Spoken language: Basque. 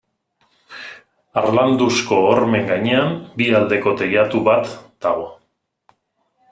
Harlanduzko hormen gainean bi aldeko teilatu bat dago.